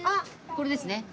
これですね。